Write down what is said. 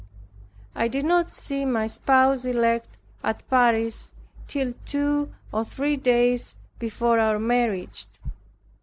I did not see my spouse elect (at Paris) till two or three days before our marriage.